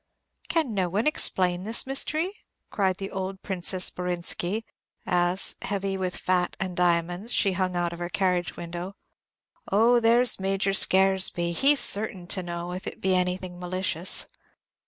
"Can no one explain this mystery?" cried the old Princess Borinsky, as, heavy with fat and diamonds, she hung out of her carriage window. "Oh, there 's Major Scaresby; he is certain to know, if it be anything malicious."